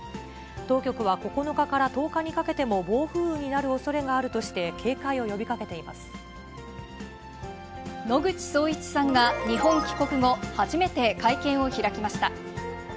当局は９日から１０日にかけても暴風雨になるおそれがあるとして野口聡一さんが日本帰国後、初めて会見を開きました。